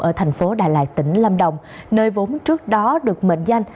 ở thành phố đà lạt tỉnh lâm đồng nơi vốn trước đó được mệnh danh